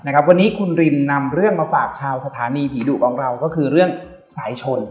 วันนี้คุณรินนำเรื่องมาฝากชาวสถานีผีดุของเราก็คือเรื่องสายชน